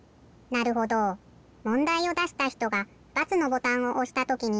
なるほどもんだいをだしたひとが×のボタンをおしたときに。